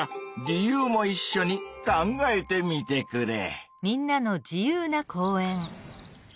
理由もいっしょに考えてみてくれ。